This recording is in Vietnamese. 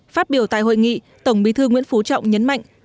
phát biểu tại hội nghị tổng bí thư nguyễn phú trọng nhấn mạnh